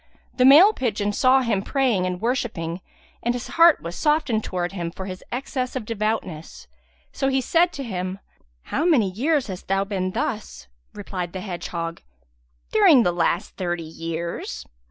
The male pigeon saw him praying and worshipping, and his heart was softened towards him for his excess of devoutness; so he said to him, "How many years hast thou been thus?" Replied the hedgehog, "During the last thirty years."